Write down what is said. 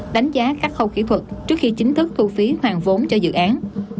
đánh giá các khâu kỹ thuật trước khi chính thức thu phí hoàn vốn cho dự án